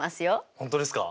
本当ですか？